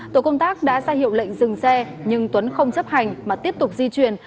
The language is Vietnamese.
tổ công tác đã ra hiệu lệnh dừng xe nhưng tuấn không chấp hành mà tiếp tục di chuyển